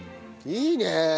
いいねえ！